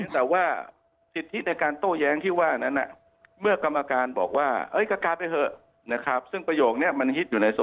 ไทยก็เป็นหน้าน่ากว่าจากต่างประเทศ